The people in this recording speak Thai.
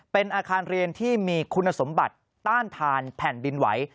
เป็นอาคารเรียนที่มีคุณสมบัติต้านทานแผ่นดินไหว